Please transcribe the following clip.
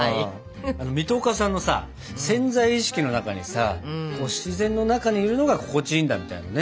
水戸岡さんのさ潜在意識の中にさ自然の中にいるのが心地いいんだみたいなね。